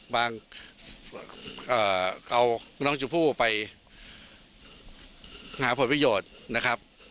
บางเอาน้องชมพู่ไปหาผลประโยชน์นะครับ